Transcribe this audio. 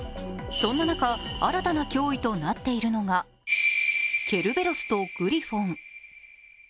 そんな中、新たな脅威となっているのがケルベロスとグリフォン。